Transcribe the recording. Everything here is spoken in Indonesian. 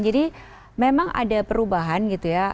jadi memang ada perubahan gitu ya